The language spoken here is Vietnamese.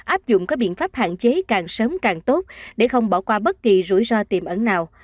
áp dụng các biện pháp hạn chế càng sớm càng tốt để không bỏ qua bất kỳ rủi ro tiềm ẩn nào